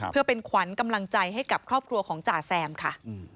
เพื่อเป็นขวัญกำลังใจให้กับครอบครัวของจ่าแซมค่ะ